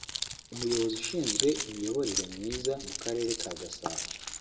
umuyobozi ushinzwe imiyoborere myiza mu karere ka Gasabo